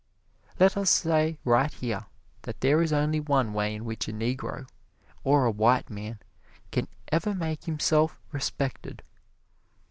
Let us say right here that there is only one way in which a Negro, or a white man, can ever make himself respected.